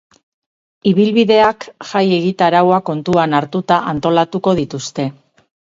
Ibilbideak jai egitaraua kontuan hartuta antolatuko dituzte.